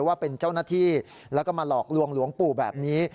ว่าเป็นเจ้าหน้าที่แล้วก็มาหลอกลวงหลวงปู่แบบนี้